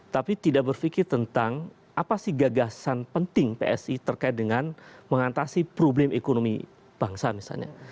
tapi tidak berpikir tentang apa sih gagasan penting psi terkait dengan mengatasi problem ekonomi bangsa misalnya